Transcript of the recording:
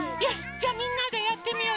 じゃあみんなでやってみよう。